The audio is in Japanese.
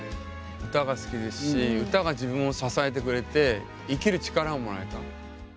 歌が好きですし歌が自分を支えてくれて生きる力をもらえた。